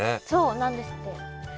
そうなんですって。